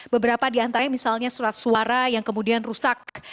beberapa di antaranya misalnya surat suara yang kemudian rusak